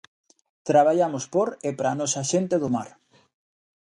Traballamos por e para a nosa xente do mar.